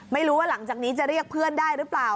ไม่รู้ว่าหลังจากนี้จะเรียกเพื่อนได้หรือเปล่า